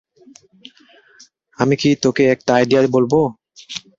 আমি কি তোকে একটা আইডিয়া বলব?